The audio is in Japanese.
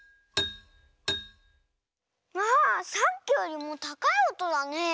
あさっきよりもたかいおとだね。